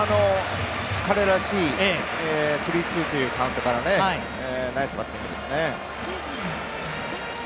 彼らしい、スリーツーというカウントからナイスバッティングですね。